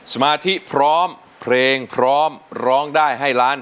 สมาธิพร้อมเพลงพร้อมร้องได้ให้ล้าน